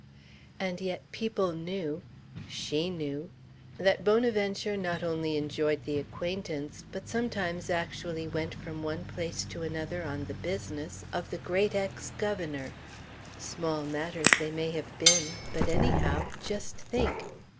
And yet people knew she knew that Bonaventure not only enjoyed the acquaintance, but sometimes actually went from one place to another on the business, of the great ex governor. Small matters they may have been, but, anyhow, just think!